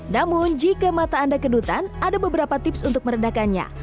namun jika mata anda kedutan ada beberapa tips untuk meredakannya